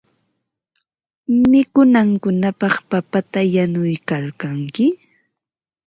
Mikunankupaq papata yanuykalkanki.